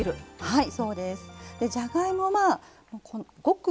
はい。